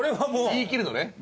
言い切るのね。